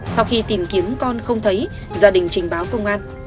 sau khi tìm kiếm con không thấy gia đình trình báo công an